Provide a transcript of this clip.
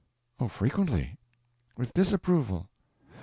"Oh, frequently." "With disapproval.